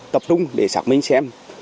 tập trung để xác minh xem